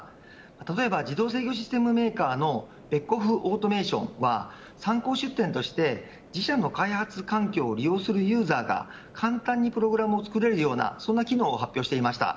例えば自動制御システムメーカーのベッコフオートメーションは参考出典として自社の開発環境を利用するユーザーが簡単にプログラムをつくれるようなそんな機能を発表していました。